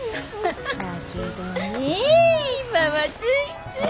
だけどね今はついつい。